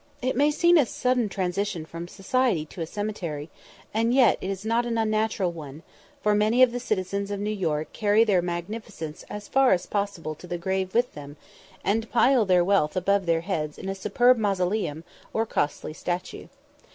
It may seem a sudden transition from society to a cemetery, and yet it is not an unnatural one, for many of the citizens of New York carry their magnificence as far as possible to the grave with them, and pile their wealth above their heads in superb mausoleums or costly statues.